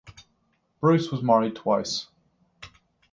Bruce was married twice.